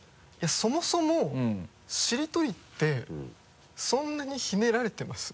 そもそもしりとりってそんなにひねられてます？